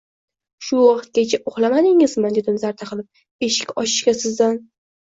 —Shu vaqtgacha uxlamadingizmi! — dedim zarda qilib. — Eshik ochishga sizdan